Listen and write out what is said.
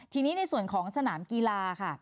ทีนี้ในส่วนของสนามกีฬาค่ะ